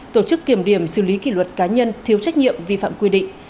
tổ chức kiểm điểm xử lý kỷ luật cá nhân thiếu trách nhiệm vi phạm quy định